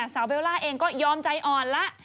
สาวเบลลาร์เองก็ยอมใจอ่อนละ